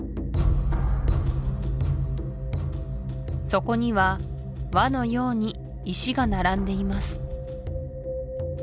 そこには輪のように石が並んでいます